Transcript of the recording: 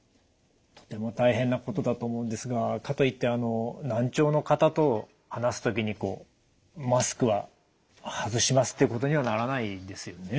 とても大変なことだと思うんですがかといってあの難聴の方と話す時にこうマスクは外しますっていうことにはならないですよね。